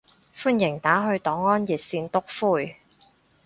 歡迎打去黨安熱線篤灰